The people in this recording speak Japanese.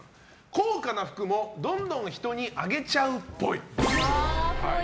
高価な服もどんどん人にあげちゃうっぽい。